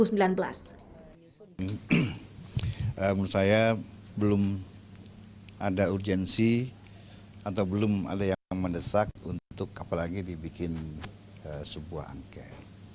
menurut saya belum ada urgensi atau belum ada yang mendesak untuk apalagi dibikin sebuah angket